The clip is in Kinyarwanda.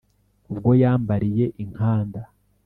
Ubwo yambariye i Nkanda